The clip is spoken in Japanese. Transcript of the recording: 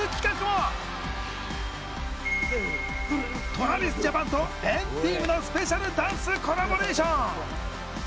ＴｒａｖｉｓＪａｐａｎと＆ＴＥＡＭのスペシャルダンスコラボレーション！